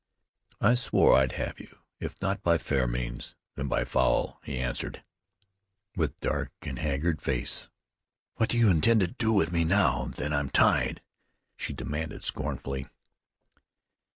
"I swore I'd have you, if not by fair means then by foul," he answered, with dark and haggard face. "What do you intend to do with me now that I am tied?" she demanded scornfully.